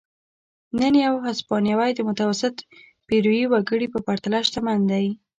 نن یو هسپانوی د متوسط پیرويي وګړي په پرتله شتمن دی.